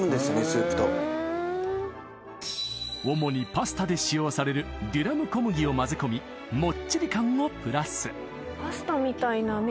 スープと主にパスタで使用されるデュラム小麦を混ぜ込みもっちり感をプラス